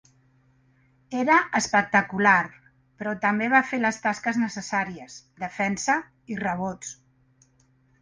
Era espectacular, però també va fer les tasques necessàries, defensa i rebots.